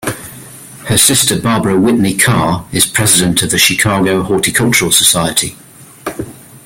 Her sister Barbara Whitney Carr is president of the Chicago Horticultural Society.